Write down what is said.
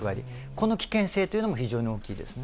この危険性というのも、非常に大きいですね。